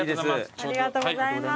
ありがとうございます。